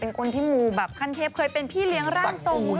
เป็นคนที่มูบับกันเทพเคยเป็นพี่เลี้ยงร่านทรงดูหรอ